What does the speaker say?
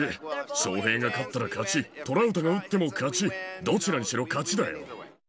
ショウヘイが勝ったら勝ち、トラウトが打っても勝ち、どちらにしろ、勝ちだよ。